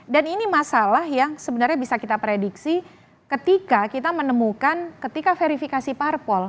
dan ini masalah yang sebenarnya bisa kita prediksi ketika kita menemukan ketika verifikasi parpol